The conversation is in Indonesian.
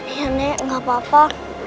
iya nenek gak apa apa